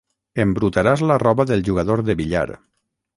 Embrutaràs la roba del jugador de billar.